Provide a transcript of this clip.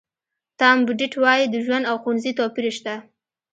ټام بوډیټ وایي د ژوند او ښوونځي توپیر شته.